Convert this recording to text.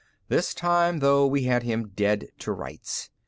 This time, though, we had him dead to rights.